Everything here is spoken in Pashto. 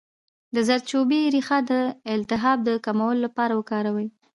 د زردچوبې ریښه د التهاب د کمولو لپاره وکاروئ